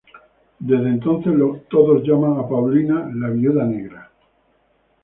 Desde entonces, todos llaman a Paulina "La Viuda Negra".